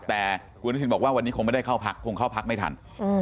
แต่คุณอนุทินบอกว่าวันนี้คงไม่ได้เข้าพักคงเข้าพักไม่ทัน